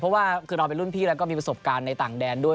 เพราะว่าคือเราเป็นรุ่นพี่แล้วก็มีประสบการณ์ในต่างแดนด้วย